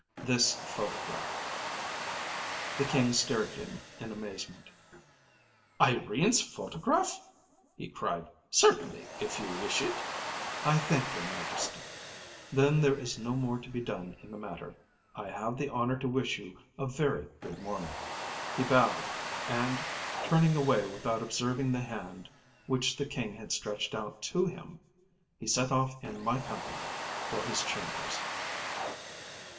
‚ÄĚ “This photograph!‚ÄĚ The King stared at him in amazement. “Irene’s photograph!‚ÄĚ he cried. “Certainly, if you wish it.‚ÄĚ “I thank your Majesty. Then there is no more to be done in the matter. I have the honour to wish you a very good morning.‚ÄĚ He bowed, and, turning away without observing the hand which the King had stretched out to him, he set off in my company for his chambers.